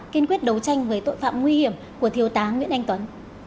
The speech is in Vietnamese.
kiên quyết đấu tranh với tội phạm nguy hiểm của thiếu tá nguyễn anh tuấn